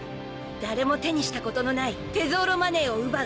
誰も手にしたことのないテゾーロ・マネーを奪う！